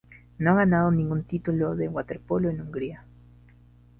No ha ganado ningún título de waterpolo en Hungría.